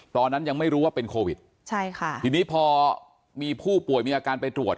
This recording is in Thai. ตอนนั้นยังไม่รู้ว่าเป็นโควิดใช่ค่ะทีนี้พอมีผู้ป่วยมีอาการไปตรวจ